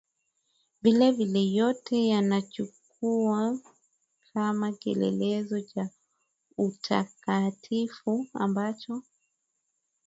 Vilevile yote yanamchukua kama kielelezo cha utakatifu ambacho